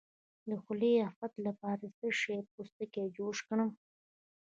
د خولې د افت لپاره د څه شي پوستکی جوش کړم؟